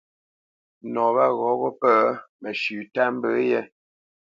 Nɔ wâ ghɔ̂ wo pə̂ məshʉ̌ tât mbə yé.